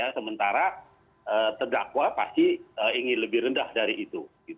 sementara terdakwa pasti ingin lebih rendah dari itu